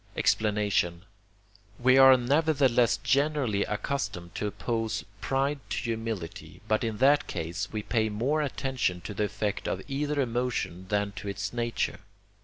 Explanation We are nevertheless generally accustomed to oppose pride to humility, but in that case we pay more attention to the effect of either emotion than to its nature.